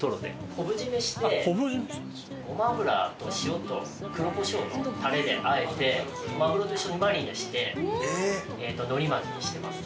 昆布締めしてごま油と塩と黒コショウのタレであえてマグロと一緒にマリネして海苔巻きにしてます。